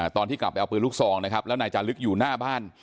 ตอนที่กลับไปเอาปืนลูกซองนะครับแล้วนายจาลึกอยู่หน้าบ้าน